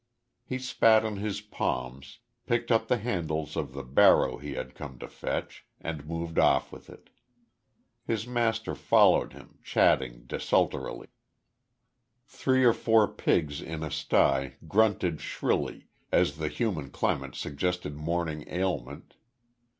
He spat on his palms, picked up the handles of the barrow he had come to fetch and moved off with it. His master followed him, chatting desultorily. Three or four pigs in a stye grunted shrilly as the human clement suggested morning aliment.